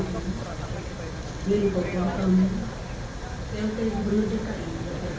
pengetesan yang dilakukan